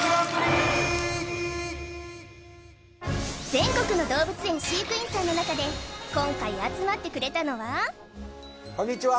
全国の動物園飼育員さんの中で今回集まってくれたのはこんにちは